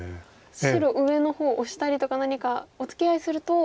白上の方オシたりとか何かおつきあいすると３線ツガれたら